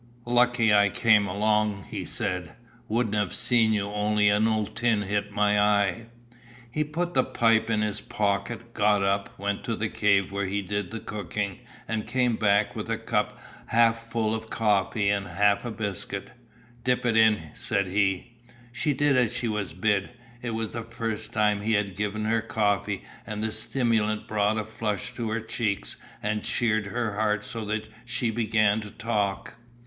"Lucky I came along," he said, "wouldn't have seen you only an old tin hit my eye." He put the pipe in his pocket, got up, went to the cave where he did the cooking and came back with a cup half full of coffee and half a biscuit. "Dip it in," said he. She did as she was bid. It was the first time he had given her coffee and the stimulant brought a flush to her cheeks and cheered her heart so that she began to talk.